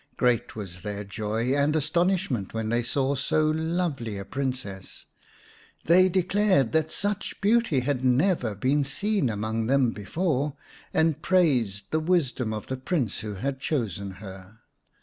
Great was their joy and astonishment when they saw so lovely a Princess. They declared that such beauty had never been seen among them before, and praised the wisdom of the Prince who had chosen her.